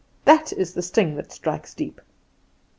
That is the sting that strikes deep.